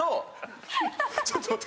ちょっと待って。